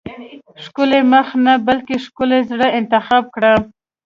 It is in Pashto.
ښکلی مخ نه بلکې ښکلي زړه انتخاب کړه.